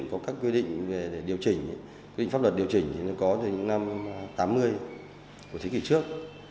có các quy định về để điều chỉnh quy định pháp luật điều chỉnh thì nó có từ những năm tám mươi của thế kỷ trước